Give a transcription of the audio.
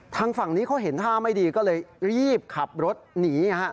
ทางฝั่งนี้เขาเห็นท่าไม่ดีก็เลยรีบขับรถหนี